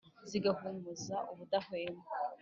zigahumuza ubudahwema .